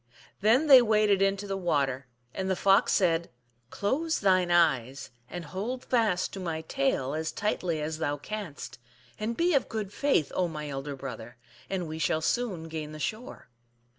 Then they waded into the water, and the Fox said, " Close thine eyes and hold fast to my tail as tightly as thou canst, and be of good faith, oh, my elder brother, and we shall soon gain the shore."